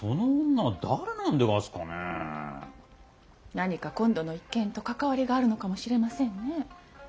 何か今度の一件と関わりがあるのかもしれませんね。